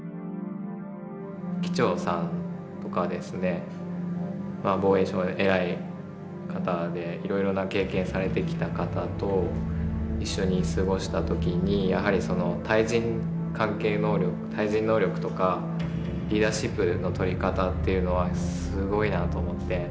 機長さんとか防衛省の偉い方でいろいろな経験をされてきた方と一緒に過ごした時にやはり対人能力とかリーダーシップのとり方っていうのはすごいなと思って。